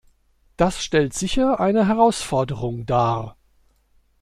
Das stellt sicher eine Herausforderung dar.